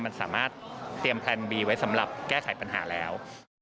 มันสามารถเตรียมแพลนบีไว้สำหรับแก้ไขปัญหาแล้ว